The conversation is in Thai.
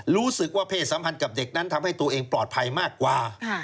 รู้สึกว่าเพศสัมพันธ์กับเด็กนั้นทำให้ตัวเองปลอดภัยมากกว่า